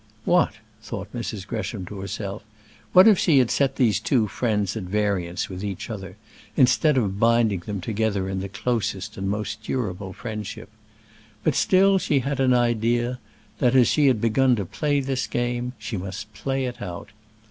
What, thought Mrs. Gresham to herself, what if she had set these two friends at variance with each other, instead of binding them together in the closest and most durable friendship! But still she had an idea that, as she had begun to play this game, she must play it out.